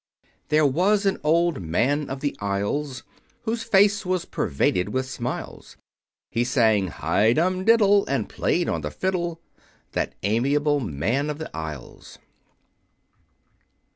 There was an Old Man of the Isles, Whose face was pervaded with smiles; He sang "High dum diddle," and played on the fiddle, That amiable Man of the Isles.